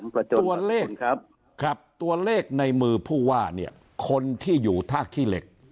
ตัวเลขครับครับตัวเลขในมือผู้ว่าเนี่ยคนที่อยู่ท่าขี้เหล็ก